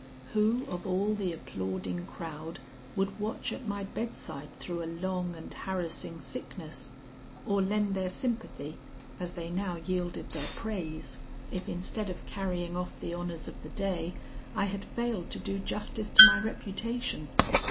Who of all the applauding crowd would watch at my bedside through a long and harassing sickness, or lend their sympathy as they now yielded their praise, if instead of carrying off the honors of the day I had failed to do justice to my reputation.